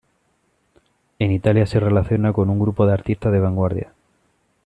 En Italia se relaciona con un grupo de artistas de vanguardia.